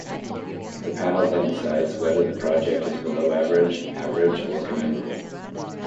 The panel then decides whether the project is below average, average, or commendable.